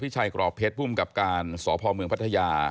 ใช่ค่ะให้๔๐บาท